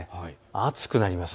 暑くなります。